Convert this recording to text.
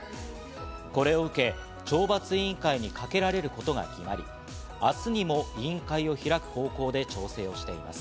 これを受け、懲罰委員会にかけられることが決まり、明日にも委員会を開く方向で調整をしています。